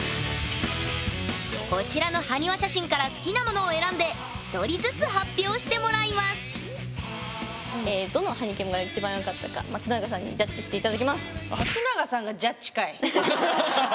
こちらの埴輪写真から好きなものを選んで１人ずつ発表してもらいますどのはにキモが一番よかったか松永さんにジャッジして頂きます。